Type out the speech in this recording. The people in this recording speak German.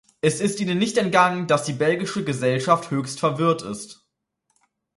Es ist Ihnen nicht entgangen, dass die belgische Gesellschaft höchst verwirrt ist.